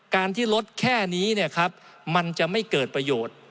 การที่ลดแค่นี้มันจะไม่เกิดประโยชน์